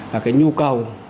là cái nhu cầu